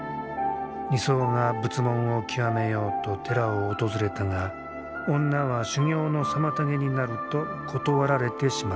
尼僧が仏門を究めようと寺を訪れたが女は修行の妨げになると断られてしまった。